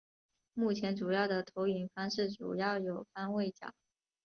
目前主要的投影方式主要有方位角。